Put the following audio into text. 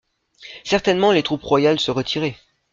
Certainement les troupes royales se retiraient.